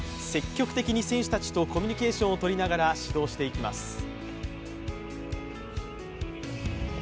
積極的に選手たちとコミュニケーションをとりながら指導していきます。